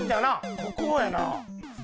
ここやな。